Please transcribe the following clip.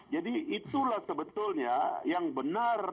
jadi itulah sebetulnya yang benar